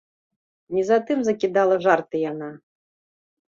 Не затым закідала жарты яна.